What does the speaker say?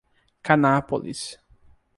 Canápolis